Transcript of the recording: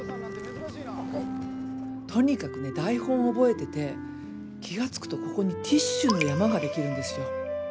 とにかくね台本覚えてて気が付くとここにティッシュの山ができるんですよ。